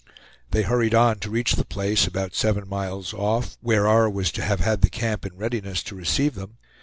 They hurried on to reach the place, about seven miles off, where R. was to have had the camp in readiness to receive them.